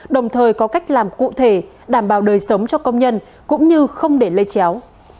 đồng thời có cách làm cụ thể đảm bảo đời sống cho công nhân cũng như không để lây chéo